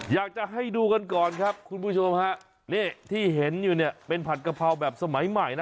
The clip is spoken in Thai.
อยากจะให้ดูกันก่อนครับคุณผู้ชมฮะนี่ที่เห็นอยู่เนี่ยเป็นผัดกะเพราแบบสมัยใหม่นะ